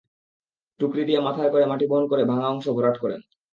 টুকরি দিয়ে মাথায় করে মাটি বহন করে ভাঙা অংশ ভরাট করেন।